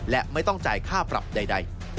และไม่ต้องจ่ายค่าปรับใด